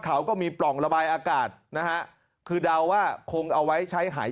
เขาก็มีปล่องระบายอากาศนะฮะคือเดาว่าคงเอาไว้ใช้หาย